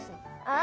あ！